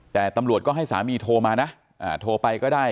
แต่ตำรวจก็ให้สามีโทรมานะโทรไปก็ได้